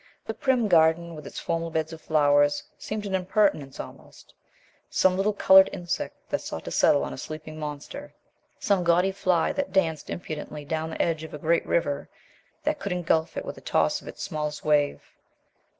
The prim garden with its formal beds of flowers seemed an impertinence almost some little colored insect that sought to settle on a sleeping monster some gaudy fly that danced impudently down the edge of a great river that could engulf it with a toss of its smallest wave.